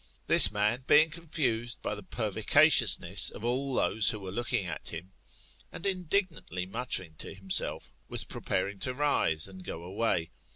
This man being confused by the pervicaciousness of all those who were looking at him, and indignantly muttering to himself, was preparing to rise [and go away.